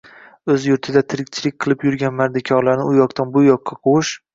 O‘z yurtida tirikchilik qilib yurgan mardikorlarni u yoqdan bu yoqqa quvish